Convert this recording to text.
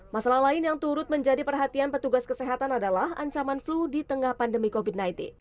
masalah lain yang turut menjadi perhatian petugas kesehatan adalah ancaman flu di tengah pandemi covid sembilan belas